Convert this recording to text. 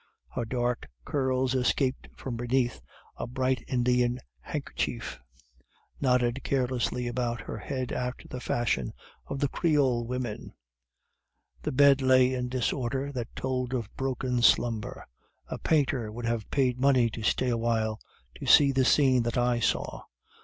Her dark curls escaped from beneath a bright Indian handkerchief, knotted carelessly about her head after the fashion of Creole women. The bed lay in disorder that told of broken slumber. A painter would have paid money to stay a while to see the scene that I saw.